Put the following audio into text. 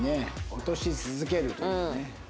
「落とし続ける」というね。